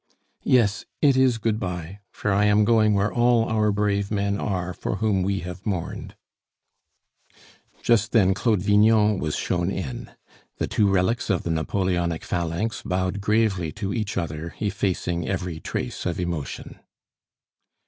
"Yes, it is good bye; for I am going where all our brave men are for whom we have mourned " Just then Claude Vignon was shown in. The two relics of the Napoleonic phalanx bowed gravely to each other, effacing every trace of emotion.